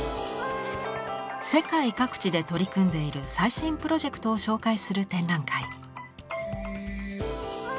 世界各地で取り組んでいる最新プロジェクトを紹介する展覧会。